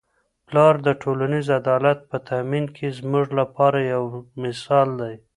پلار د ټولنیز عدالت په تامین کي زموږ لپاره یو مثال دی.